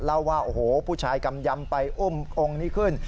เล่าว่าโอ้โหผู้ชายกำยำไปอุ้มองค์นี้ขึ้น